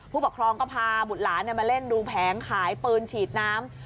ผู้ปกครองก็พาบุตรหลานมาเล่นดูแผงขายปืนฉีดน้ำ